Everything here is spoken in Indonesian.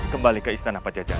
kembali ke istana pajajaran